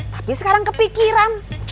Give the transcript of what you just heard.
tapi sekarang kepikiran